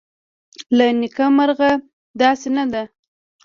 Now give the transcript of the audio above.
له نیکه مرغه داسې نه ده